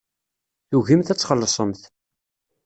Tugimt ad txellṣemt.